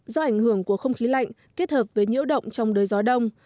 do ảnh hưởng của không khí lạnh kết hợp với nhiễu động trong đời gió đông